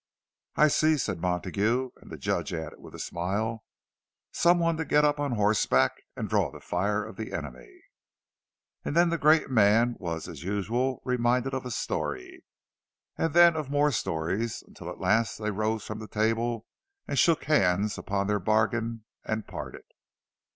"I see," said Montague; and the Judge added, with a smile, "Some one to get up on horseback, and draw the fire of the enemy!" And then the great man was, as usual, reminded of a story; and then of more stories; until at last they rose from the table, and shook hands upon their bargain, and parted.